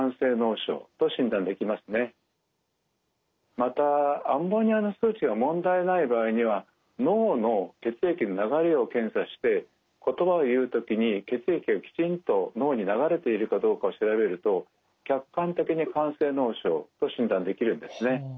またアンモニアの数値が問題ない場合には脳の血液の流れを検査して言葉を言う時に血液がきちんと脳に流れているかどうかを調べると客観的に肝性脳症と診断できるんですね。